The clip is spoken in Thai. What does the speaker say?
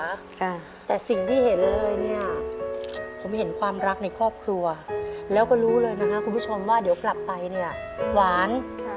ค่ะแต่สิ่งที่เห็นเลยเนี่ยผมเห็นความรักในครอบครัวแล้วก็รู้เลยนะฮะคุณผู้ชมว่าเดี๋ยวกลับไปเนี่ยหวานค่ะ